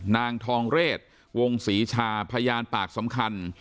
นางทองเรศวงศรีชาพยานปากสำคัญ